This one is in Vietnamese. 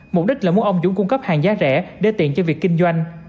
mục đích là muốn ông dũng cung cấp hàng giá rẻ để tiện cho việc kinh doanh